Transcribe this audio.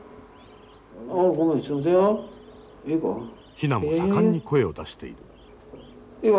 ヒナも盛んに声を出している。